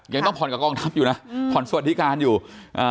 ยังต้องผ่อนกับกองทัพอยู่นะผ่อนสวัสดิการอยู่อ่า